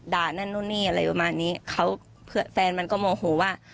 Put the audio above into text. นั่นนู่นนี่อะไรประมาณนี้เขาแฟนมันก็โมโหว่า